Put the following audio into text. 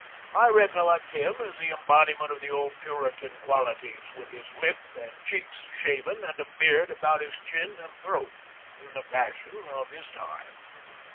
I recollect him as the embodiment of the old Puritan qualities, with his lip and cheeks shaven and a beard about his chin and throat, in the fashion of his time.